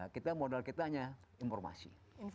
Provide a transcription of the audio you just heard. kita modal kita hanya informasi